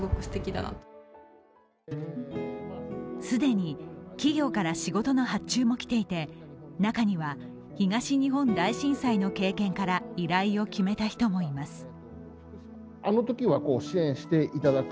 既に企業から仕事の発注も来ていて中には東日本大震災の経験から依頼を決めた人もいます。